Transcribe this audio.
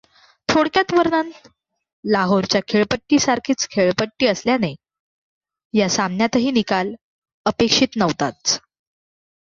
थोडक्यात वर्णन लाहोरच्या खेळपट्टी सारखीच खेळपट्टी असल्याने या सामन्यातही निकाल अपेक्षित नव्हताच.